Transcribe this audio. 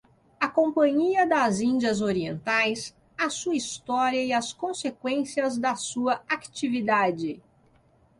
A Companhia das Indias Orientais - A Sua História e as Consequências da sua Actividade